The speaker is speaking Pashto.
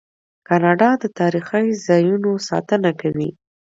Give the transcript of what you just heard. کاناډا د تاریخي ځایونو ساتنه کوي.